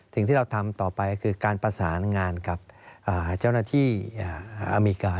สิ่งที่เราทำต่อไปคือการประสานงานกับเจ้าหน้าที่อเมริกา